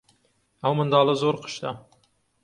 ئەو منداڵە زۆر قشتە.